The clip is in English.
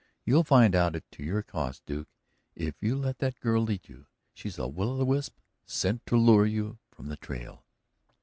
You'll find it out to your cost, Duke, if you let that girl lead you. She's a will o' the wisp sent to lure you from the trail."